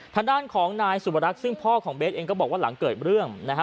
ทางด้านของนายสุบรักษ์ซึ่งพ่อของเบสเองก็บอกว่าหลังเกิดเรื่องนะฮะ